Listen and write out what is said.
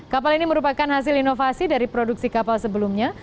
kapal ini merupakan hasil inovasi dari produksi kapal sebelumnya